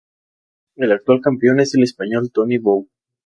El actual campeón es el español Toni Bou.